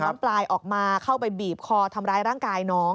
ปลายออกมาเข้าไปบีบคอทำร้ายร่างกายน้อง